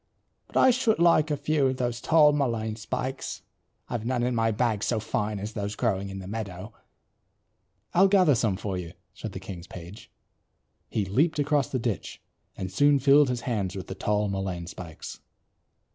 But I should like a few of those tall mullein spikes. I've none in my bag so fine as those growing in the meadow." "I'll gather some for you" said the king's page. He leaped across the ditch, and soon filled his hands with the tall mullein spikes.